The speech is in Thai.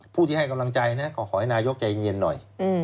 ผู้ที่ให้กำลังใจนะก็ขอให้นายกใจเย็นหน่อย